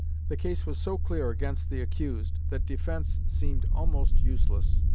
The case was so clear against the accused that defense seemed almost useless.